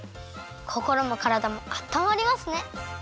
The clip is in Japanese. こころもからだもあったまりますね！